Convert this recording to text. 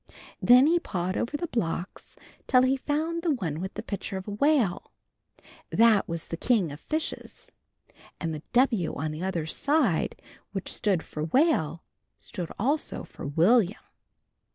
Then he pawed over the blocks till he found the one with the picture of a whale. That was the king of fishes, and the W on the other side which stood for Whale, stood also for William.